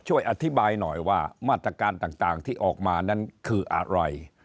ช่วยอธิบายหน่อยว่ามาตรการต่างที่ออกมานั้นคืออะไร